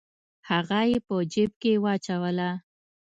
هغه یې په جیب کې واچوله.